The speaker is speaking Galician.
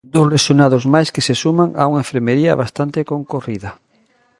Dous lesionados máis que se suman a unha enfermería bastante concorrida.